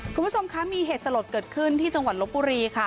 คุณผู้ชมคะมีเหตุสลดเกิดขึ้นที่จังหวัดลบบุรีค่ะ